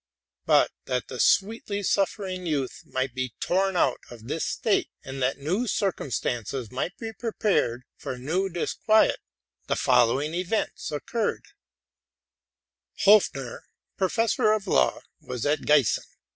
But that the sweetly suffering youth might be torn out of this state, and that new circumstances might be prepared for new disquiet, the fol lowing events occurred :— Hopfner, professor of law, was at Giessen.